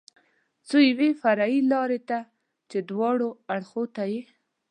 څو یوې فرعي لارې ته چې دواړو اړخو ته یې.